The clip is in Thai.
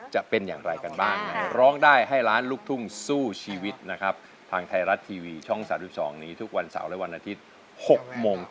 จะเป็นอย่างไรกันบ้างนะครับ